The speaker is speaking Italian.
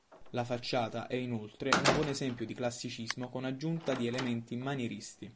La facciata è inoltre un buon esempio di classicismo con aggiunta di elementi manieristi.